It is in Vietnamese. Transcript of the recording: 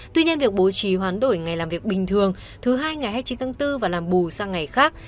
tuy nhiên việc bố trí hoán đổi ngày làm việc bình thường thứ hai ngày hai mươi chín tháng bốn và làm bù sang ngày khác